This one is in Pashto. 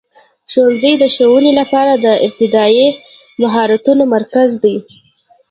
ښوونځی د ښوونې لپاره د ابتدایي مهارتونو مرکز دی.